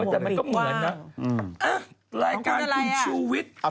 แต่มันก็เหมือนนะเอ๊ะรายการคุณชูวิทย์คุณคุณอะไรอ่ะ